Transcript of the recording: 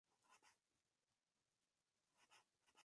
Los equipos de la categoría superior tuvieron ventaja deportiva.